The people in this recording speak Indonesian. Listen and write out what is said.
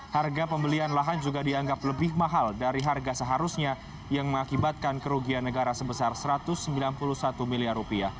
harga pembelian lahan juga dianggap lebih mahal dari harga seharusnya yang mengakibatkan kerugian negara sebesar rp satu ratus sembilan puluh satu miliar